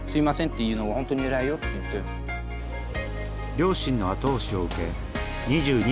両親の後押しを受け２２歳で来日。